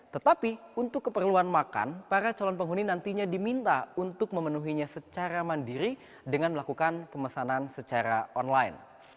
tetapi untuk keperluan makan para calon penghuni nantinya diminta untuk memenuhinya secara mandiri dengan melakukan pemesanan secara online